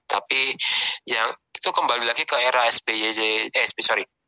tapi ya itu kembali lagi ke era sby eh sorry